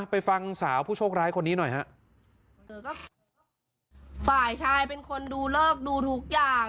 ไปฟังสาวผู้โชคร้ายคนนี้หน่อยฮะฝ่ายชายเป็นคนดูเลิกดูทุกอย่าง